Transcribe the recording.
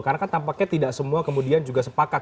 karena kan tampaknya tidak semua kemudian juga sepatutnya